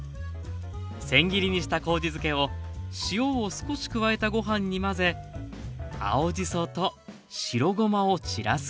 せん切りにした麹漬けを塩を少し加えたご飯に混ぜ青じそと白ごまを散らすだけ。